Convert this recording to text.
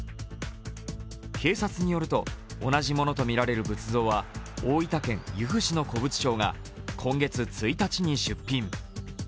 警察によると、同じものとみられる仏像は大分県由布市の古物商が今月１日に出品。